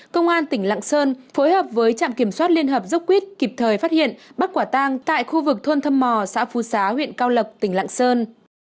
công an tỉnh lạng sơn phối hợp với trạm kiểm soát liên hợp dốc quýt kịp thời phát hiện bắt quả tang tại khu vực thôn thâm mò xã phú xá huyện cao lộc tỉnh lạng sơn